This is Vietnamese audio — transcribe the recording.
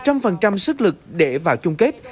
để vận chuyển vào chung kết